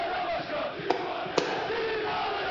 kongosho kuvimba